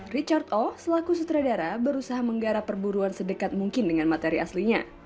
richard oh selaku sutradara berusaha menggarap perburuan sedekat mungkin dengan materi aslinya